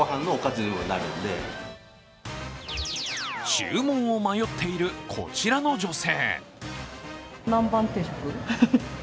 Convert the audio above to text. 注文を迷っているこちらの女性。